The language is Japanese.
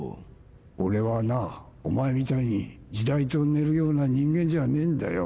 俺はなお前みたいに時代と寝るような人間じゃねえんだよ。